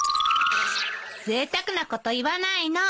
ぜいたくなこと言わないの。